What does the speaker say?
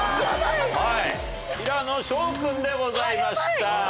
平野紫耀君でございました。